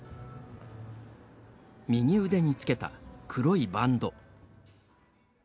右腕につけた黒いバンド。